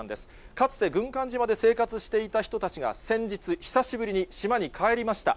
かつて軍艦島で生活していた人たちが先日、久しぶりに島に帰りました。